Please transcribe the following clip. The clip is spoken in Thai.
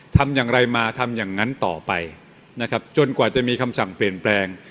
ทำอย่างไรมาทำอย่างนั้นต่อไปนะครับจนกว่าจะมีคำสั่งเปลี่ยนแปลง